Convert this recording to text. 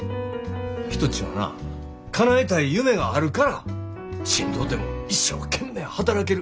人ちゅうんはなかなえたい夢があるからしんどうても一生懸命働ける。